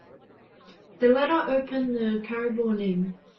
They later opened the Cranbourne Inn.